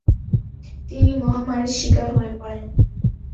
তিনি মহামারীর শিকার হয়ে পড়েন।